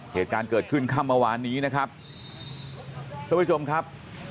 เหตุการณ์เกิดขึ้นค่ำมะวานนี้ครับเดี๋ยวไปชมครับ